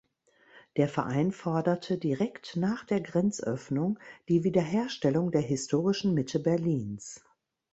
Der Verein forderte direkt nach der Grenzöffnung die Wiederherstellung der historischen Mitte Berlins.